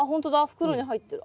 袋に入ってる。